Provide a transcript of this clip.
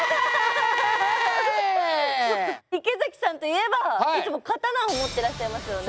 池崎さんといえばいつも刀を持ってらっしゃいますよね。